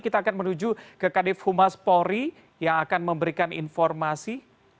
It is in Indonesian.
kita akan menuju ke kadif humas polri yang akan memberikan informasi